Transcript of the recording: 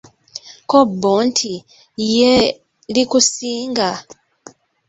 Ko bbo nti, yee likusinga!